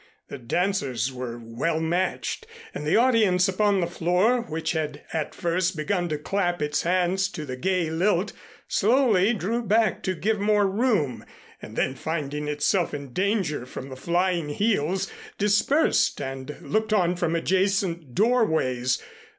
The dancers were well matched and the audience upon the floor, which had at first begun to clap its hands to the gay lilt, slowly drew back to give more room, and then finding itself in danger from the flying heels dispersed and looked on from adjacent doorways.